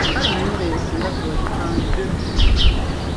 Kale ennyumba eyo singa tewagipangisa.